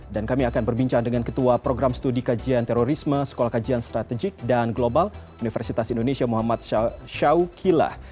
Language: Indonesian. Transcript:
dan kami akan berbincang dengan ketua program studi kajian terorisme sekolah kajian strategik dan global universitas indonesia muhammad syaukilah